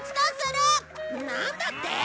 なんだって！